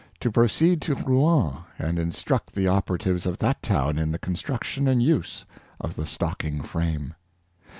to proceed to Rouen and in struct the operatives of that town in the construction and use of the stocking frame.